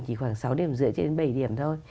chỉ khoảng sáu điểm rưỡi trên bảy điểm thôi